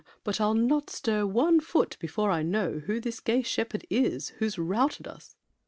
But I'll not stir one foot before I know Who this gay shepherd is, who's routed us!